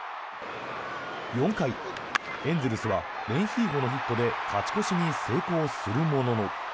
４回、エンゼルスはレンヒーフォのヒットで勝ち越しに成功するものの。